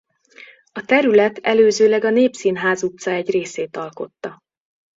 A terület előzőleg a Népszínház utca egy részét alkotta.